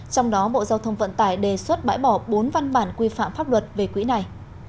trong đó bộ giao thông vận tải đề xuất bãi bỏ bốn văn bản quy phạm pháp luật về quỹ này